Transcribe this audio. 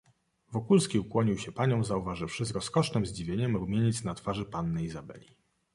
"Wokulski ukłonił się paniom, zauważywszy, z rozkosznem zdziwieniem, rumieniec na twarzy panny Izabeli."